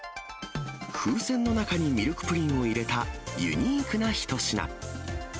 風船の中にミルクプリンを入れたユニークな一品。